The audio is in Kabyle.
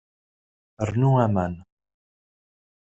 Rnu aman.